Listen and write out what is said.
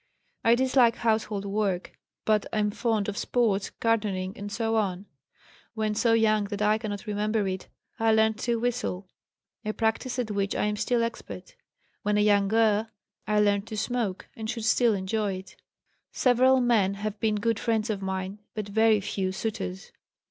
I dislike household work, but am fond of sports, gardening, etc. When so young that I cannot remember it, I learned to whistle, a practice at which I am still expert. When a young girl, I learned to smoke, and should still enjoy it. "Several men have been good friends of mine, but very few suitors.